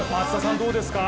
どうですか？